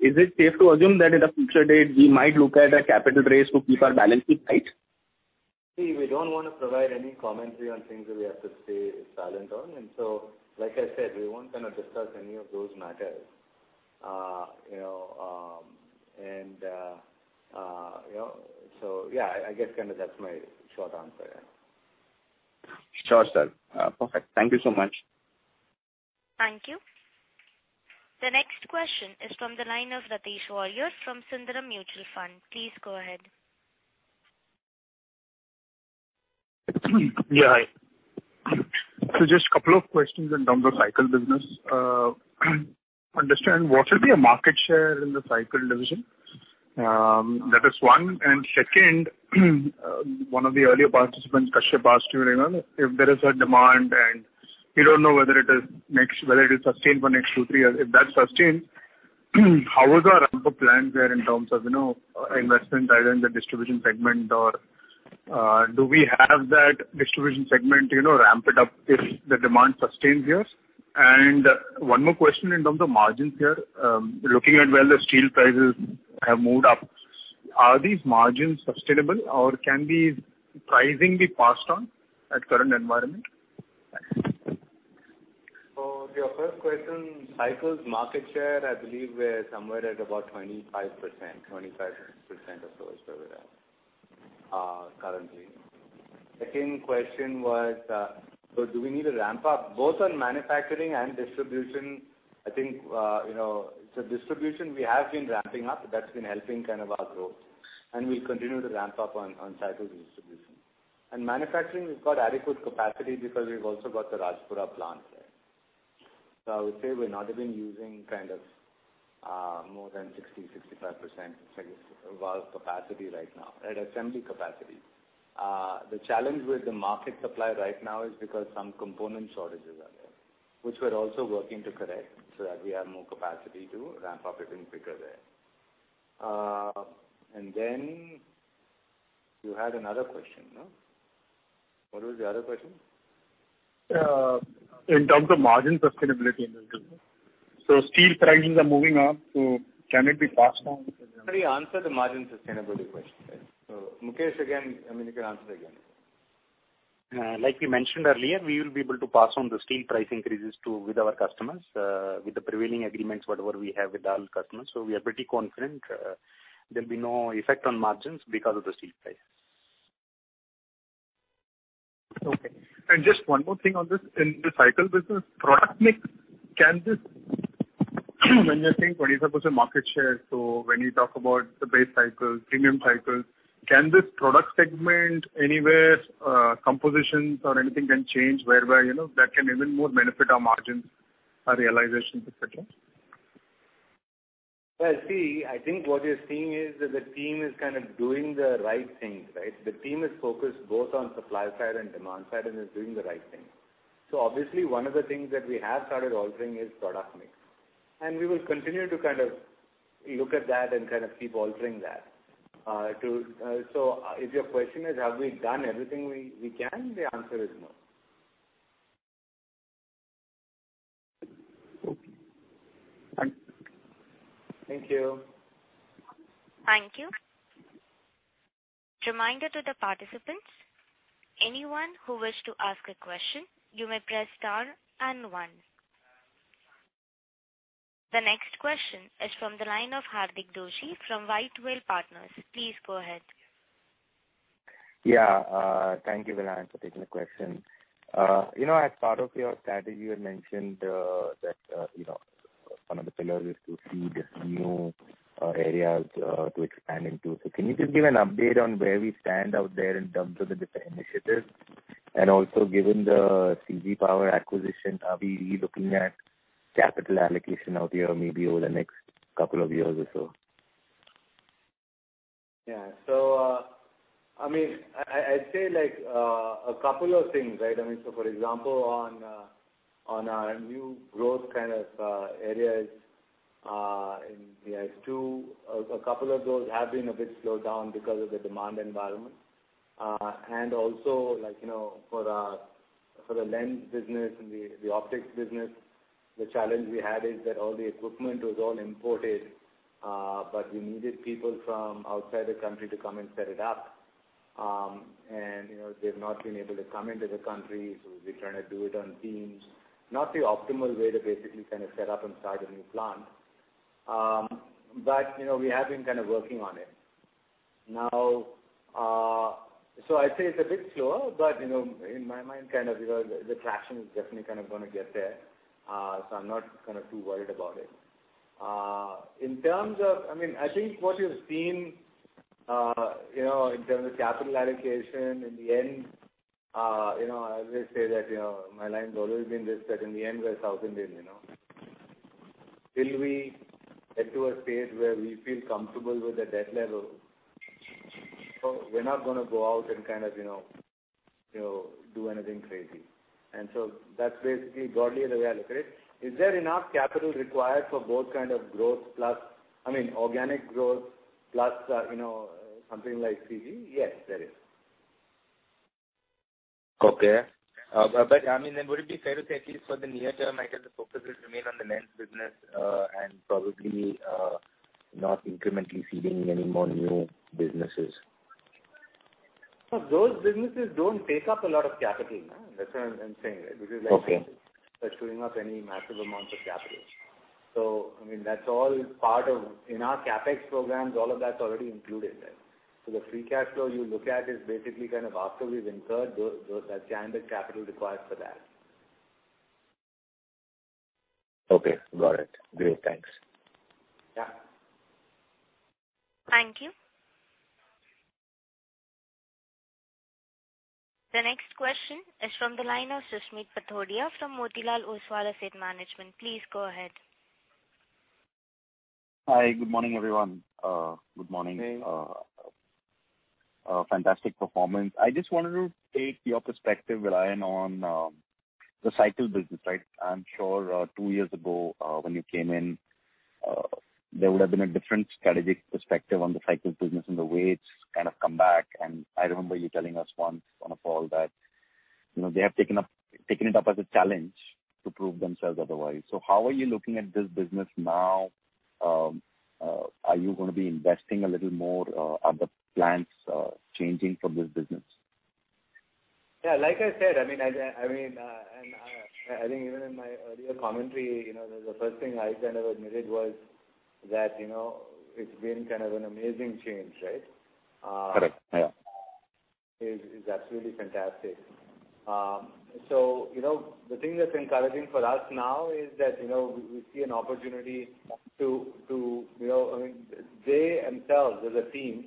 is it safe to assume that at a future date, we might look at a capital raise to keep our balance sheet light? See, we don't want to provide any commentary on things that we have to stay silent on. Like I said, we won't discuss any of those matters. Yeah, I guess that's my short answer. Sure, sir. Perfect. Thank you so much. Thank you. The next question is from the line of Ratish Warrier from Sundaram Mutual Fund. Please go ahead. Yeah, hi. Just couple of questions in terms of Cycle business. Understand what will be a market share in the Cycle division. That is one. Second, one of the earlier participants, Kashyap, asked you if there is a demand and you don't know whether it is sustained for next two, three years. If that's sustained, how is our ramp-up plan there in terms of investment either in the distribution segment or do we have that distribution segment ramped up if the demand sustains here? One more question in terms of margins here. Looking at where the steel prices have moved up, are these margins sustainable or can these pricing be passed on at current environment? Thanks. Your first question, Cycle's market share, I believe we're somewhere at about 25% or so is where we're at currently. Second question was, so do we need to ramp up? Both on manufacturing and distribution, I think, the distribution we have been ramping up. That's been helping our growth. We'll continue to ramp up on Cycle's distribution. Manufacturing, we've got adequate capacity because we've also got the Rajpura plant there. I would say we're not even using more than 60%-65% of our capacity right now at assembly capacity. The challenge with the market supply right now is because some component shortages are there, which we're also working to correct so that we have more capacity to ramp up even quicker there. You had another question, no? What was the other question? In terms of margin sustainability in the business. Steel prices are moving up, so can it be passed on to the customer? Already answered the margin sustainability question. Mukesh, again, you can answer it again. We mentioned earlier, we will be able to pass on the steel price increases with our customers, with the prevailing agreements, whatever we have with our customers. We are pretty confident there'll be no effect on margins because of the steel price. Okay. Just one more thing on this. In the Cycle business, product mix, when you are saying 25% market share, when you talk about the base cycles, premium cycles. Can this product segment anywhere, compositions or anything can change whereby that can even more benefit our margins, our realization, et cetera? Well, see, I think what you're seeing is that the team is doing the right things. The team is focused both on supply side and demand side, and is doing the right thing. Obviously, one of the things that we have started altering is product mix. We will continue to look at that and keep altering that. If your question is have we done everything we can, the answer is no. Okay. Thank you. Thank you. Reminder to the participants, anyone who wish to ask a question, you may press star and one. The next question is from the line of Hardik Doshi from White Whale Partners. Please go ahead. Yeah. Thank you, Vellayan, for taking the question. As part of your strategy, you had mentioned that one of the pillars is to seed new areas to expand into. Can you just give an update on where we stand out there in terms of the different initiatives? Also, given the CG Power acquisition, are we really looking at capital allocation out here, maybe over the next couple of years or so? Yeah. I'd say a couple of things. For example, on our new growth areas in TI2, a couple of those have been a bit slowed down because of the demand environment. Also for the lens business and the optics business, the challenge we had is that all the equipment was all imported, but we needed people from outside the country to come and set it up. They've not been able to come into the country, so we trying to do it on Teams. Not the optimal way to basically set up and start a new plant. We have been working on it. I'd say it's a bit slower, but in my mind, the traction is definitely going to get there, so I'm not too worried about it. I think what you've seen in terms of capital allocation, in the end, I always say that my line has always been this, that in the end, we are a South Indian. Till we get to a state where we feel comfortable with the debt level, we're not gonna go out and do anything crazy. That's basically broadly the way I look at it. Is there enough capital required for both organic growth plus something like CG? Yes, there is. Would it be fair to say at least for the near term, I guess the focus will remain on the lens business, and probably, not incrementally seeding any more new businesses? No. Those businesses don't take up a lot of capital. That's what I'm saying. Okay. This is like, not chewing up any massive amounts of capital. In our CapEx programs, all of that's already included there. The free cash flow you look at is basically after we've incurred that standard capital required for that. Okay, got it. Great. Thanks. Yeah. Thank you. The next question is from the line of Susmit Patodia from Motilal Oswal Asset Management. Please go ahead. Hi. Good morning, everyone. Good morning. Fantastic performance. I just wanted to take your perspective, Vellayan, on the Cycle business. I'm sure two years ago, when you came in, there would have been a different strategic perspective on the Cycles business and the way it's come back. I remember you telling us once on a call that they have taken it up as a challenge to prove themselves otherwise. How are you looking at this business now? Are you going to be investing a little more? Are the plans changing for this business? Yeah. Like I said, I think even in my earlier commentary, the first thing I admitted was that it's been an amazing change, right? Correct. Yeah. It's absolutely fantastic. The thing that's encouraging for us now is that we see an opportunity. They themselves, as a team,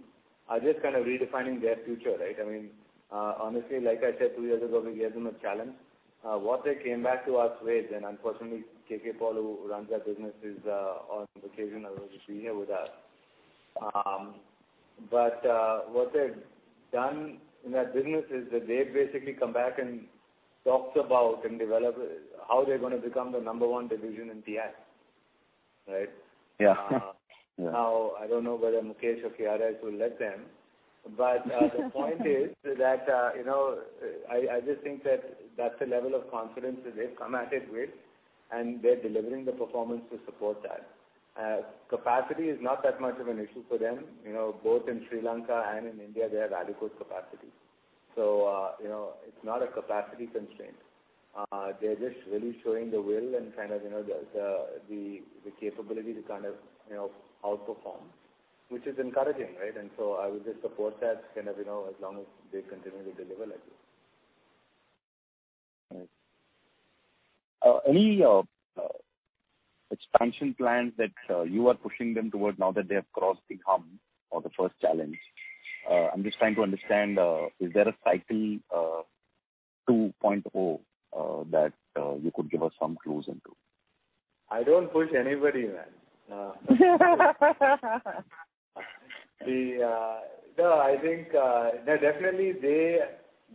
are just redefining their future. Honestly, like I said two years ago, we gave them a challenge. What they came back to us with, and unfortunately, KK Paul, who runs that business, is on vacation or he wouldn't be here with us. What they've done in that business is that they've basically come back and talked about and developed how they're going to become the number one division in TI. Yeah. I don't know whether Mukesh or KRS will let them. The point is that, I just think that that's a level of confidence that they've come at it with, and they're delivering the performance to support that. Capacity is not that much of an issue for them, both in Sri Lanka and in India, they have adequate capacity. It's not a capacity constraint. They're just really showing the will and the capability to outperform, which is encouraging. I would just support that as long as they continue to deliver like this. Right. Any expansion plans that you are pushing them towards now that they have crossed the hump or the first challenge? I'm just trying to understand, is there a Cycle 2.0 that you could give us some clues into? I don't push anybody, man. No, I think definitely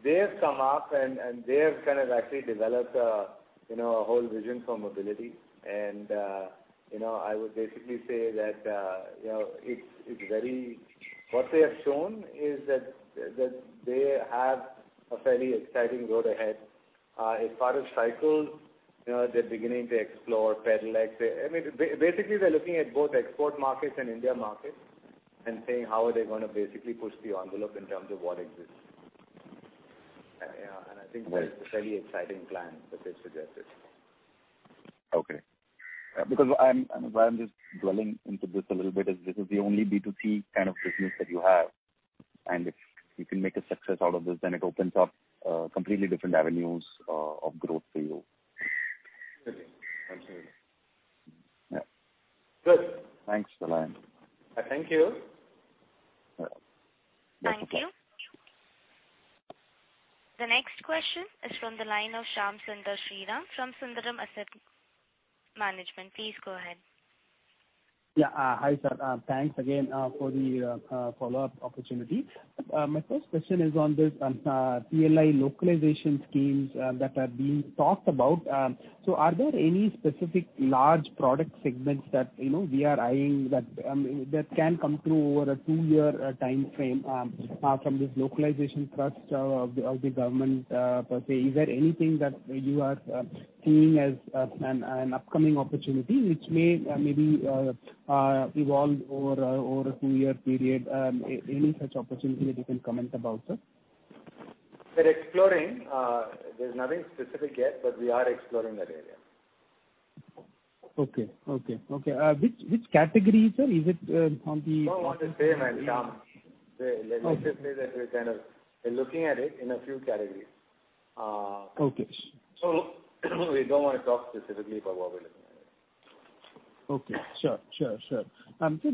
they've come up, and they have actually developed a whole vision for mobility. I would basically say that, what they have shown is that they have a fairly exciting road ahead. As far as Cycle, they're beginning to explore pedelec. Basically, they're looking at both export markets and India markets and saying, how are they going to basically push the envelope in terms of what exists. I think that it's a very exciting plan that they've suggested. Okay. Why I'm just dwelling into this a little bit is this is the only B2C kind of business that you have, and if you can make a success out of this, then it opens up completely different avenues of growth for you. Absolutely. Yeah. Good. Thanks, Vellayan. Thank you. Yeah. Thank you. The next question is from the line of Shyam Sundar Sriram from Sundaram Asset Management. Please go ahead. Yeah. Hi, sir. Thanks again for the follow-up opportunity. My first question is on this PLI localization schemes that are being talked about. Are there any specific large product segments that we are eyeing that can come through over a two-year timeframe from this localization thrust of the government per se? Is there anything that you are seeing as an upcoming opportunity, which may evolve over a two-year period? Any such opportunity that you can comment about, sir? We're exploring. There's nothing specific yet, but we are exploring that area. Okay. Which category, sir? Is it on the- Don't want to say, man. Let's just say that we're kind of looking at it in a few categories. Okay. We don't want to talk specifically about what we are looking at. Okay, sure. Sir,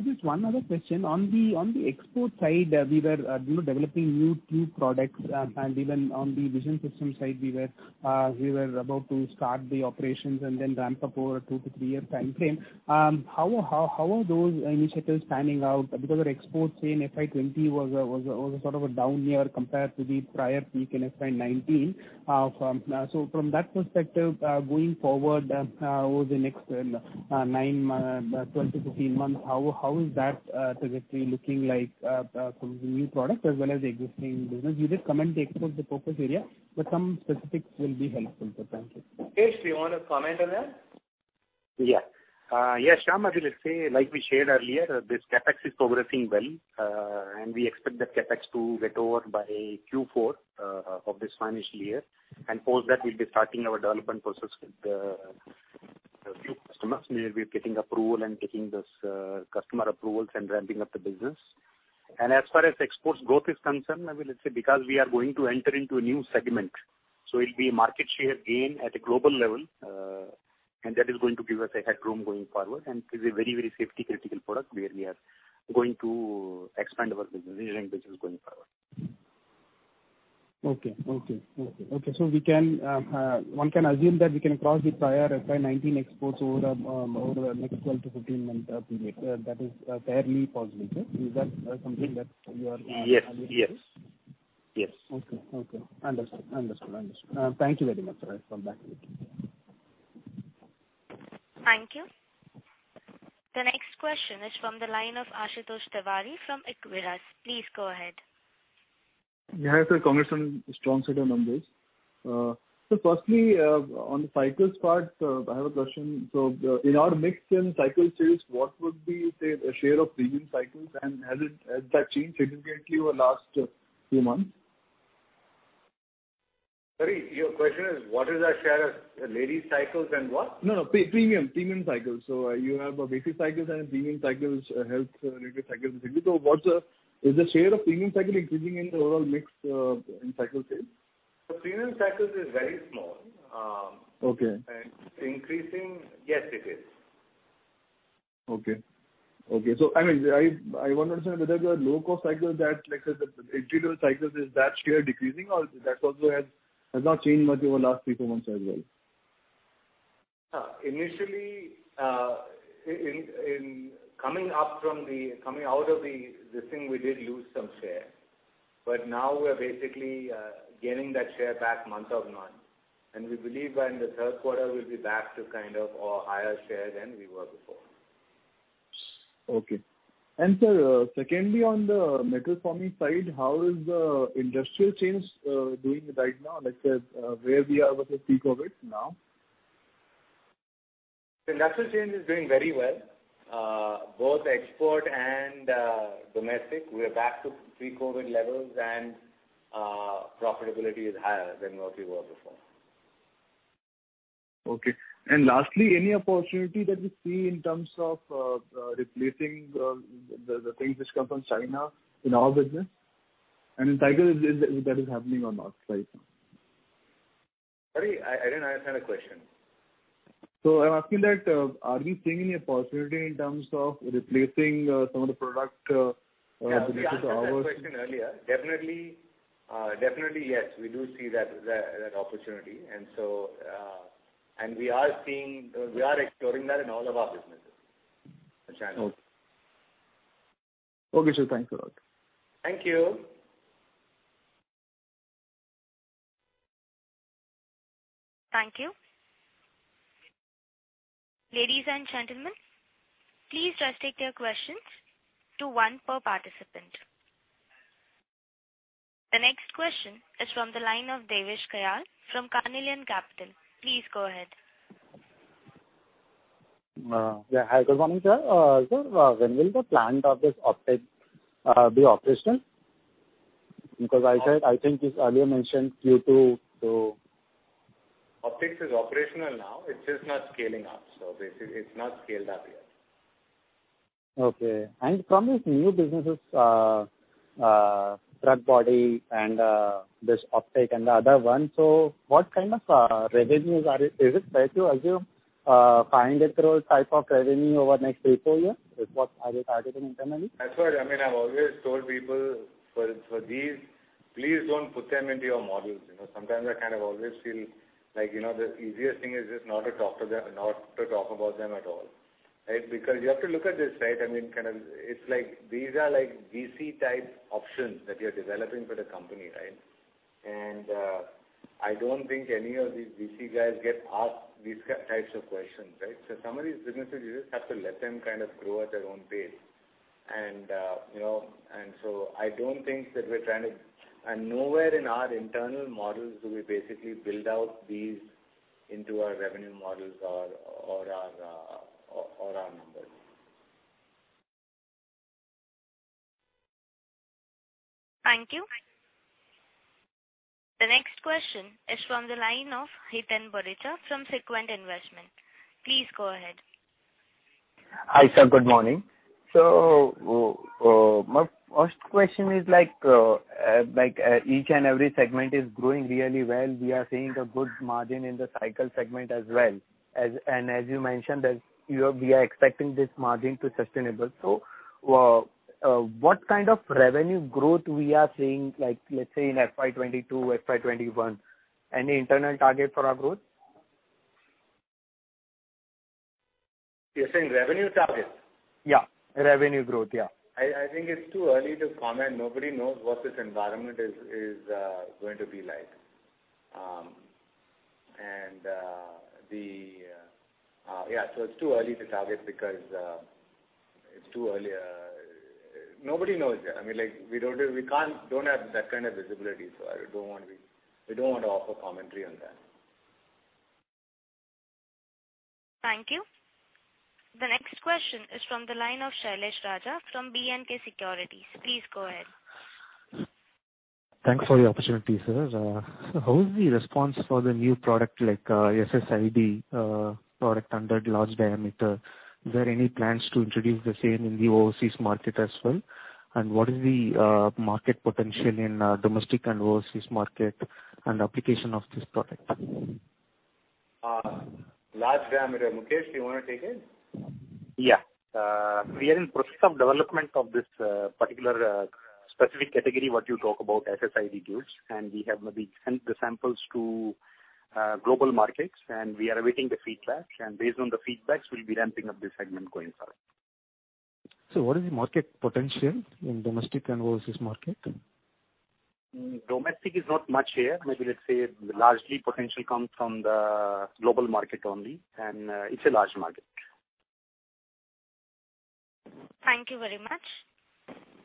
just one other question. On the export side, we were developing new tube products, and even on the vision system side, we were about to start the operations and then ramp up over a two- to three-year timeframe. How are those initiatives panning out? Because our exports in FY 2020 was sort of a down year compared to the prior peak in FY 2019. From that perspective, going forward over the next nine, 12-15 months, how is that trajectory looking like from the new product as well as the existing business? You just commented the export is a focused area, but some specifics will be helpful, sir. Thank you. Mukesh, you want to comment on that? Yeah. Shyam, I will say, like we shared earlier, this CapEx is progressing well. We expect that CapEx to get over by Q4 of this financial year. Post that, we'll be starting our development process with a few customers. We'll be getting approval and getting those customer approvals and ramping up the business. As far as exports growth is concerned, I will say, because we are going to enter into a new segment, it'll be market share gain at a global level. That is going to give us a headroom going forward. It is a very safety-critical product where we are going to expand our business going forward. Okay. One can assume that we can cross the prior FY 2019 exports over the next 12-15-month period. That is fairly positive. Is that something that you are? Yes. Okay. Understood. Thank you very much, sir. I come back to you. Thank you. The next question is from the line of Ashutosh Tiwari from Equirus. Please go ahead. Yeah, sir, congrats on strong set of numbers. Sir, firstly, on the Cycle's part, I have a question. In our mix in Cycle sales, what would be, say, a share of premium cycles, and has that changed significantly over last few months? Sorry, your question is, what is our share of ladies cycles and what? No, premium cycles. You have basic cycles and premium cycles, health related cycles. Is the share of premium cycle increasing in the overall mix in Cycle sales? Premium cycles is very small. Okay. Increasing? Yes, it is. Okay. I want to understand whether the low-cost cycle that, like I said, the entry-level cycles, is that share decreasing or that also has not changed much over the last three, four months as well? Initially, coming out of the thing, we did lose some share. Now we're basically gaining that share back month-on-month. We believe by in the third quarter, we'll be back to kind of a higher share than we were before. Okay. Sir, secondly, on the Metal Forming side, how is the industrial chains doing right now? Like I said, where we are versus pre-COVID now. Industrial chain is doing very well, both export and domestic. We are back to pre-COVID levels, and profitability is higher than what we were before. Okay. Lastly, any opportunity that you see in terms of replacing the things which come from China in our business? In Cycle, is that happening or not right now? Sorry, I didn't understand the question. I'm asking that, are you seeing any possibility in terms of replacing some of the product? *crosstalk* Yeah, we answered that question earlier. Definitely, yes. We do see that opportunity. We are exploring that in all of our businesses and channels. Okay. Okay, sure. Thanks a lot. Thank you. Thank you. Ladies and gentlemen, please restrict your questions to one per participant. The next question is from the line of Devesh Kayal from Carnelian Capital. Please go ahead. Hi, good morning, sir. Sir, when will the plant of this Optics be operational? Because I think it's earlier mentioned Q2. Optics is operational now, it's just not scaling up. Basically, it's not scaled up yet. Okay. From these new businesses, truck body and this Optic and the other one, what kind of revenues are you? Is it fair to assume 500 crore type of revenue over the next three, four years? Is what are you targeting internally? That's why, I've always told people, for these, please don't put them into your models. Sometimes I kind of always feel like the easiest thing is just not to talk about them at all. Right. Because you have to look at this, it's like these are like VC-type options that we are developing for the company, right. I don't think any of these VC guys get asked these types of questions, right. Some of these businesses, you just have to let them grow at their own pace. Nowhere in our internal models do we basically build out these into our revenue models or our numbers. Thank you. The next question is from the line of Hiten Boricha from Sequent Investments. Please go ahead. Hi, sir. Good morning. My first question is, each and every segment is growing really well. We are seeing a good margin in the Cycle segment as well. As you mentioned, that we are expecting this margin to sustainable. What kind of revenue growth we are seeing, let's say, in FY 2022, FY 2021? Any internal target for our growth? You're saying revenue target? Yeah. Revenue growth, yeah. I think it's too early to comment. Nobody knows what this environment is going to be like. It's too early to target because it's too early. Nobody knows yet. We don't have that kind of visibility, we don't want to offer commentary on that. Thank you. The next question is from the line of Sailesh Raja from B&K Securities. Please go ahead. Thanks for the opportunity, sir. How is the response for the new product, like SSID product under large diameter? Is there any plans to introduce the same in the overseas market as well? What is the market potential in domestic and overseas market, and application of this product? Large diameter, Mukesh, do you want to take it? Yeah. We are in process of development of this particular specific category what you talk about, SSID tubes, and we have maybe sent the samples to global markets, and we are awaiting the feedback. Based on the feedback, we'll be ramping up this segment going forward. What is the market potential in domestic and overseas market? Domestic is not much here. Maybe let's say largely potential comes from the global market only, and it's a large market. Thank you very much.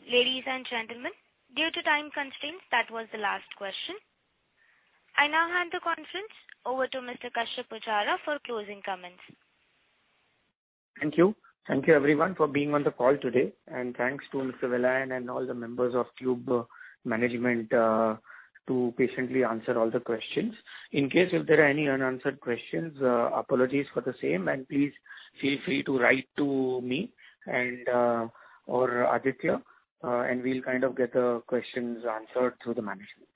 Ladies and gentlemen, due to time constraints, that was the last question. I now hand the conference over to Mr. Kashyap Pujara for closing comments. Thank you. Thank you everyone for being on the call today, and thanks to Mr. Vellayan and all the members of Tube management to patiently answer all the questions. In case if there are any unanswered questions, apologies for the same, and please feel free to write to me or Aditya, and we'll get the questions answered through the management.